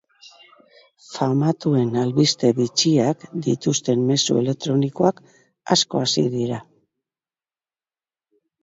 Famatuen albiste bitxiak dituzten mezu elektronikoak asko hazi dira.